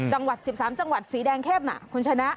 จังหวัด๑๓จังหวัดสีแดงเข้มคุณชนะ